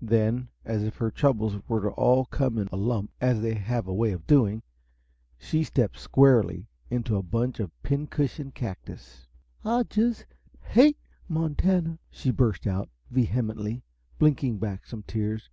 Then, as if her troubles were all to come in a lump as they have a way of doing she stepped squarely into a bunch of "pincushion" cactus. "I just HATE Montana!" she burst out, vehemently, blinking back some tears.